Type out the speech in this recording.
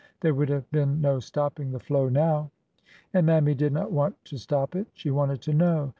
There would have been no stopping the flow now. And Mammy did not want to stop it. She wanted to know.